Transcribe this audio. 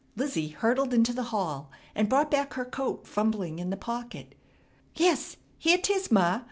Lizzie hurtled into the hall and brought back her coat, fumbling in the pocket. "Yes, here 'tis ma!